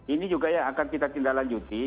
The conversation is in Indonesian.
ini juga ya akan kita tindaklanjuti